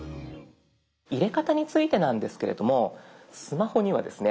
入れ方についてなんですけれどもスマホにはですね